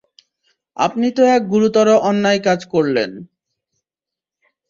আপনি তো এক গুরুতর অন্যায় কাজ করলেন।